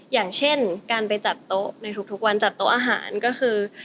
อย่างเช่นการไปจัดโต๊ะในทุกวันจัดโต๊ะอาหารก็คือ